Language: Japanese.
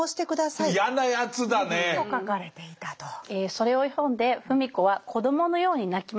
それを読んで芙美子は子どものように泣きます。